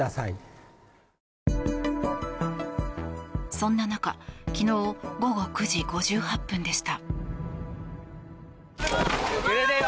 そんな中昨日午後９時５８分でした。